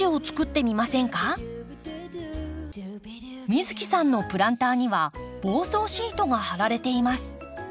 美月さんのプランターには防草シートが張られています。